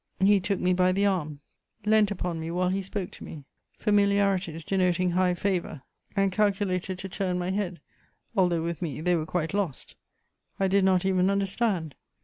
He took me by the arm, leant upon me while he spoke to me: familiarities denoting high favour and calculated to turn my head, although with me they were quite lost; I did not even understand.